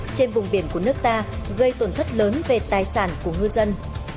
trên vùng biển của nước ta gây tổn thất lớn về tài sản của ngư dân